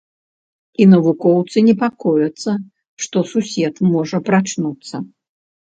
І навукоўцы непакояцца, што сусед можа прачнуцца.